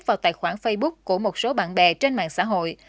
vào tài khoản facebook của một số bạn bè trên mạng xã hội